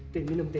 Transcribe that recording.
tim minum tim